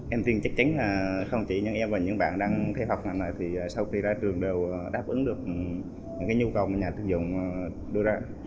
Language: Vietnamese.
em tin chắc chắn không chỉ em và những bạn đang theo học này mà sau khi ra trường đều đáp ứng được những nhu cầu mà nhà trường đưa ra